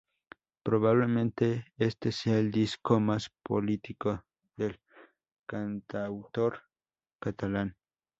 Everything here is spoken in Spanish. Probablemente este sea el disco más político del cantautor catalán.